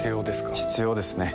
必要ですね